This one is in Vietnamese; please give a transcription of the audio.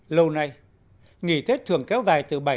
lâu nay nghỉ tết thường kéo dài từ bảy đến chín ngày